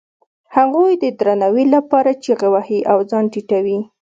هغوی د درناوي لپاره چیغې وهي او ځان ټیټوي.